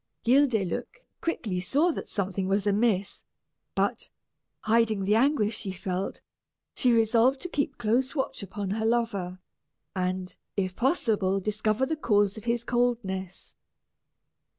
Guildeluec quickly saw that something was amiss; but, hiding the anguish she felt, she resolved to keep close watch upon her lover, and, if possible, discover the cause of his coldness.